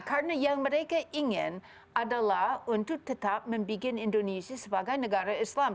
karena yang mereka ingin adalah untuk tetap membuat indonesia sebagai negara islam